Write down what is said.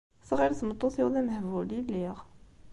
Tɣil tmeṭṭut-iw d amehbul i lliɣ.